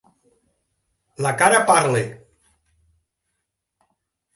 La cara parla.